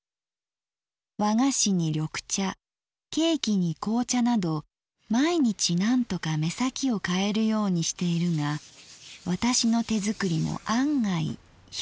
和菓子に緑茶ケーキに紅茶など毎日なんとか目先を変えるようにしているが私の手づくりも案外評判がいい。